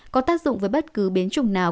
có tác dụng với bất cứ biến chủng nào